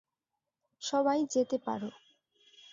সবাই যেতে পারো।